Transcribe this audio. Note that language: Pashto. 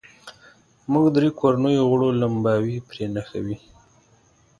موږ درې کورنیو غړو لمباوې پرې نښوې.